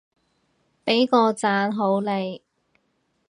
畀個讚好你